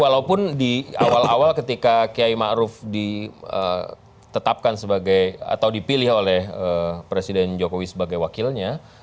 walaupun di awal awal ketika kiai ⁇ maruf ⁇ ditetapkan sebagai atau dipilih oleh presiden jokowi sebagai wakilnya